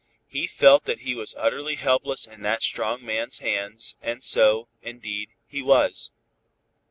He felt that he was utterly helpless in that strong man's hands, and so, indeed, he was.